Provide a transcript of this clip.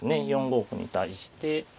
４五歩に対して。